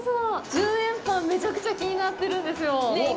１０円パンめちゃくちゃ気になってるんですよ。